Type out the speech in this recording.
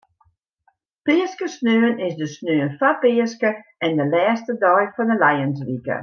Peaskesaterdei is de saterdei foar Peaske en de lêste dei fan de lijenswike.